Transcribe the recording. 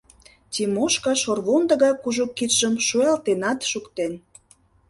Тимошка шорвондо гай кужу кидшым шуялтенат шуктен.